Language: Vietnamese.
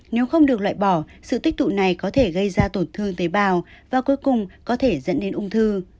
nếu không được loại bỏ sự tích tụ này có thể gây ra tổn thương tế bào và cuối cùng có thể dẫn đến ung thư